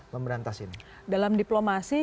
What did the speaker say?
memberantas ini dalam diplomasi